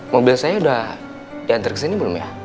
mobil saya udah diantar kesini belum ya